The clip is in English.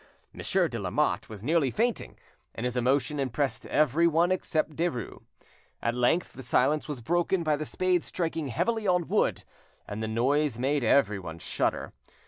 Monsieur de Lamotte was nearly fainting, and his emotion impressed everyone except Derues. At length the silence was broken by the spades striking heavily on wood, and the noise made everyone shudder.